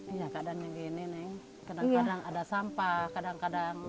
iya keadaannya gini nih kadang kadang ada sampah kadang kadang